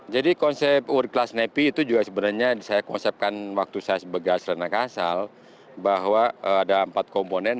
jadi konsep worldcastnepi itu juga sebenarnya saya konsepkan waktu saya sebagai asal asal bahwa ada empat komponen